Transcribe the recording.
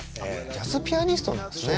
ジャズピアニストなんですね。